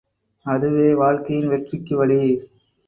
அதுவே வாழ்க்கையின் வெற்றிக்குவழி!